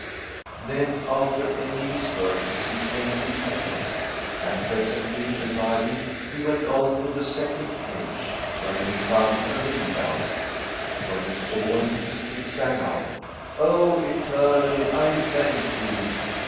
Then, after ending his verses, he fainted again; and, presently reviving he went on to the second cage, wherein he found a ringdove. When it saw him, it sang out, "O Eternal, I thank thee!"